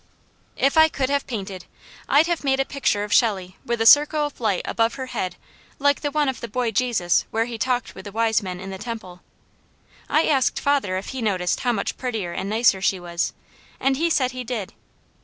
If I could have painted, I'd have made a picture of Shelley with a circle of light above her head like the one of the boy Jesus where He talked with the wise men in the temple. I asked father if he noticed how much prettier and nicer she was, and he said he did.